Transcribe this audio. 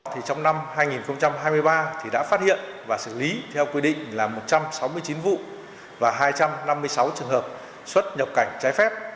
trong năm hai nghìn hai mươi ba đã phát hiện và xử lý theo quy định là một trăm sáu mươi chín vụ và hai trăm năm mươi sáu trường hợp xuất nhập cảnh trái phép